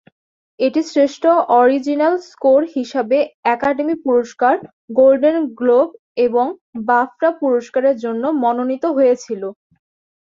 এটি শ্রেষ্ঠ original score হিসেবে একাডেমি পুরস্কার, গোল্ডেন গ্লোব এবং বাফটা পুরস্কারের জন্যে মনোনীত হয়েছিল।